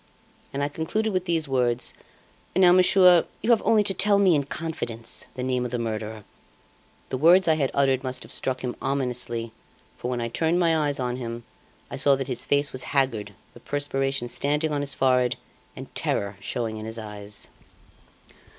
And I concluded with these words: 'Now, monsieur, you have only to tell me in confidence the name of the murderer!' The words I had uttered must have struck him ominously, for when I turned my eyes on him, I saw that his face was haggard, the perspiration standing on his forehead, and terror showing in his eyes.